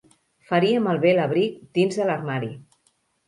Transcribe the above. Faria malbé l'abric dins de l'armari.